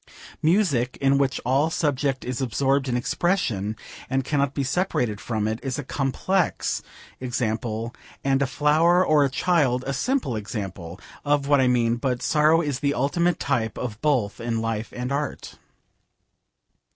Music, in which all subject is absorbed in expression and cannot be separated from it, is a complex example, and a flower or a child a simple example, of what I mean; but sorrow is the ultimate type both in life and art.